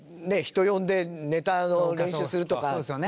人呼んでネタの練習するとかっていう。